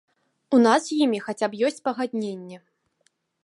У нас з імі хаця б ёсць пагадненне.